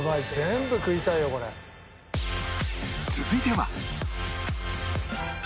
続いては